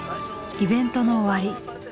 イベントの終わり。